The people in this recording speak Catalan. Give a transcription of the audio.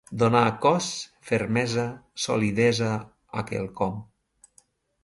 Donar cos, fermesa, solidesa, a quelcom.